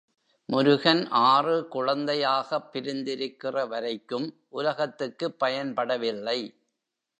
முருகன் ஆறு குழந்தையாகப் பிரிந்திருக்கிற வரைக்கும் உலகத்துக்குப் பயன்படவில்லை.